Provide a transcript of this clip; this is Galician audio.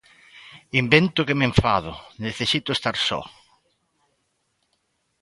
Invento que me enfado, necesito estar só.